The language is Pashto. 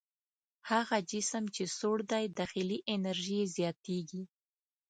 هغه جسم چې سوړ دی داخلي انرژي یې زیاتیږي.